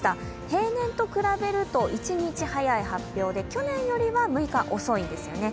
平年と比べると１日早い発表で、去年よりは６日遅いんですね。